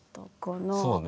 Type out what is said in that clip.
そうね。